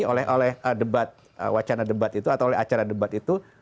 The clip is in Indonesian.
oleh oleh debat wacana debat itu atau oleh acara debat itu